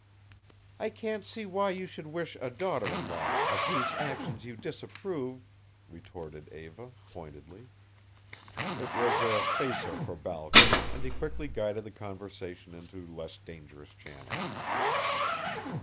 "I can't see why you should wish a daughter in law of whose actions you disapprove," retorted Eva, pointedly. It was a facer for Balcom and he quickly guided the conversation into less dangerous channels.